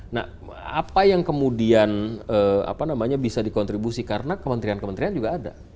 nah apa yang kemudian bisa dikontribusi karena kementerian kementerian juga ada